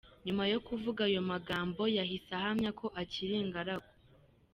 Nyuma yo kuvuga ayo magambo, yahise ahamya ko akiri ingaragu.